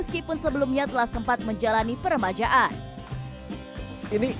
masjid baitur rahman sebelumnya telah sempat menjalani permajaan